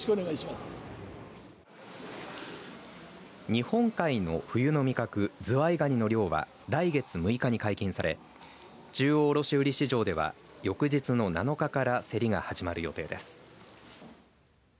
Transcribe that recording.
日本海の冬の味覚ズワイガニの漁は来月６日に解禁され中央卸売市場では翌日の７日から競りが始まる予定です。